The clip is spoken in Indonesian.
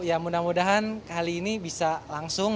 ya mudah mudahan kali ini bisa langsung